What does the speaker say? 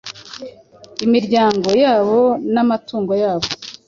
imiryango yabo n’amatungo yabo.